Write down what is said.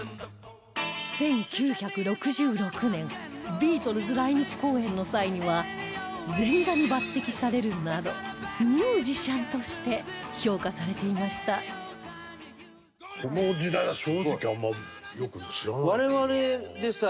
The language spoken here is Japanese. １９６６年ビートルズ来日公演の際には前座に抜擢されるなどミュージシャンとして評価されていましたとかだと思います